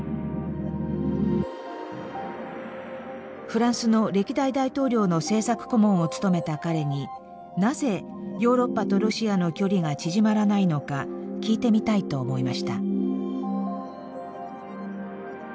フランスの歴代大統領の政策顧問を務めた彼になぜヨーロッパとロシアの距離が縮まらないのか聞いてみたいと思いました。